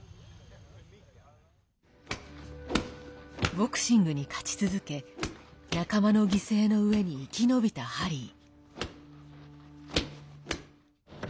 ボクシングに勝ち続け仲間の犠牲の上に生き延びたハリー。